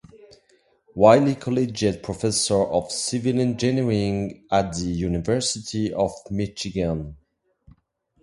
Wylie Collegiate Professor of Civil Engineering at the University of Michigan.